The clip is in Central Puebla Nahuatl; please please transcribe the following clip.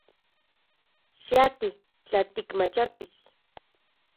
Xiajti — tla tikmachotis.